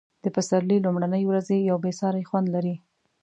د پسرلي لومړنۍ ورځې یو بې ساری خوند لري.